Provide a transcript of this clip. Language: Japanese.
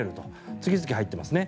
次々入ってますね。